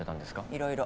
いろいろ。